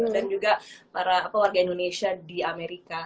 dan juga para warga indonesia di amerika